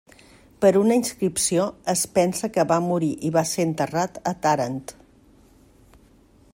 Per una inscripció es pensa que va morir i va ser enterrat a Tàrent.